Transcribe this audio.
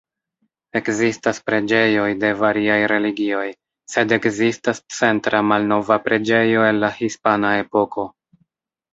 Ekzistas preĝejoj de variaj religioj, sed ekzistas centra malnova preĝejo el la Hispana Epoko.